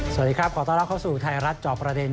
สวัสดีครับขอต้อนรับเข้าสู่ไทยรัฐจอบประเด็น